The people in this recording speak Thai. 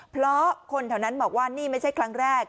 เพราะคนแถวนั้นบอกว่านี่ไม่ใช่ครั้งแรก